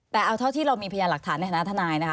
แต่เอาเท่าที่เรามีพยานหลักฐานในฐานะทนายนะคะ